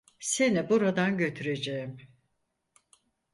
Seni buradan götüreceğim.